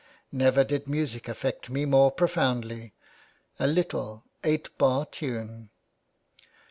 Never did music affect me more profoundly — a little eight bar tune."